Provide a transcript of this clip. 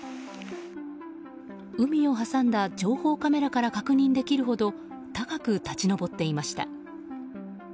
海を挟んだ情報カメラから確認できるほど高く立ち上っていました。